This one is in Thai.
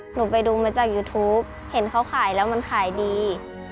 หนูไปดูมาจากยูทูปเห็นเขาขายแล้วมันขายดี